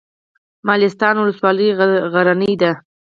مالستان ولسوالۍ غرنۍ ده؟